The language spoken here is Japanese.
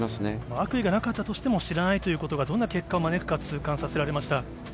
悪意がなかったとしても、知らないということがどんな結果を招くか、痛感させられました。